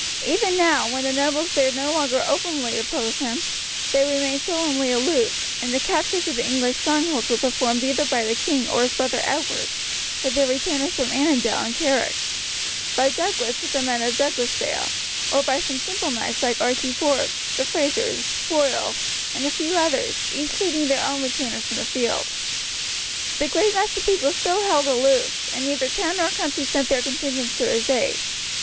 Even now, when the nobles dared no longer openly oppose him, they remained sullenly aloof, and the captures of the English strongholds were performed either by the king or his brother Edward, with their retainers from Annandale and Carrick; by Douglas with the men of Douglasdale; or by some simple knights like Archie Forbes, the Frazers, Boyle, and a few others, each leading their own retainers in the field. The great mass of the people still held aloof, and neither town nor country sent their contingents to his aid.